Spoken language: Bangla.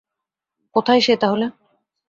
কোথায় সে, তাহলে?